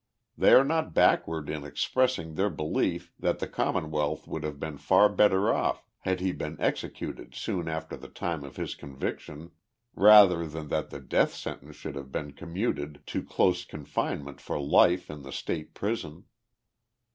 They are not backward in expressing their belief that the Commonwealth would have been far better off had he been executed soon after the time of his conviction, rather than that the death sentence should have been commuted to close con finement for life in the state prison.